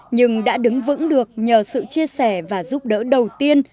nhưng đã đứng vững được nhờ sự chia sẻ và giúp đỡ đầu tiên